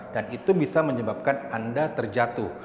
dan itu bisa menyebabkan anda terjatuh